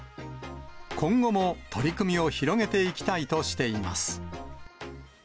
今後も取り組みを広げていきたいとしています。